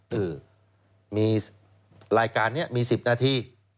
หรืออลายการเนี้ยมี๑๐นาที